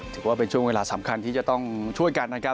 ถือว่าเป็นช่วงเวลาสำคัญที่จะต้องช่วยกันนะครับ